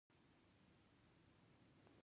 هر کله راشئ